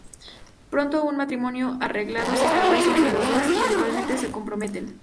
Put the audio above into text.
Pronto, un matrimonio arreglado se establece entre los dos y eventualmente se comprometen.